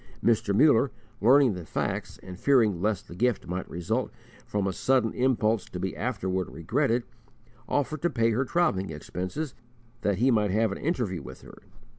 Mr. Muller, learning the facts, and fearing lest the gift might result from a sudden impulse to be afterward regretted, offered to pay her travelling expenses that he might have an interview with her.